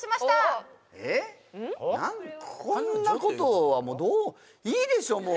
こんなことはいいでしょ